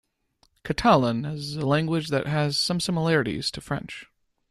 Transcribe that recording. Catalan is a language that has some similarities to French.